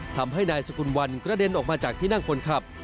ทำให้นายสกุลวันกระเด็นออกมาจากที่นั่งคนขับ